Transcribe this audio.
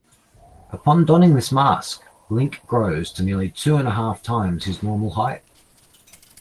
Upon donning this mask, Link grows to nearly two-and-a-half times his normal height.